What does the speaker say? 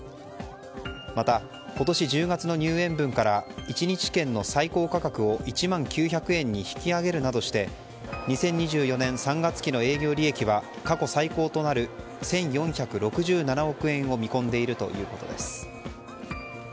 また、今年１０月の入園分から１日券の最高価格を１万９００円に引き上げるなどして２０２４年３月期の営業利益は過去最高となる１４６７億円を見込んでいるということです。